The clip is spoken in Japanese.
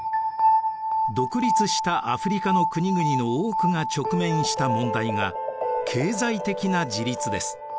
独立したアフリカの国々の多くが直面した問題が経済的な自立です。